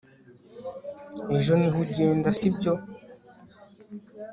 Ejo niho ugenda sibyo